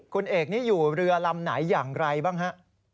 คุณเอกนี่อยู่เรือลำไหนอย่างไรบ้างฮะ